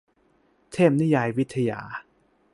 เทพนิยายวิทยา